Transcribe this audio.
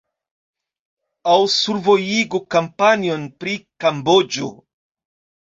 Aŭ survojigu kampanjon pri Kamboĝo.